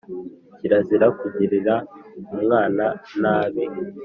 Kirazira kugirira umwana nabi.